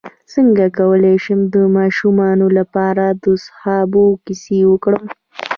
څنګه کولی شم د ماشومانو لپاره د صحابه وو کیسې وکړم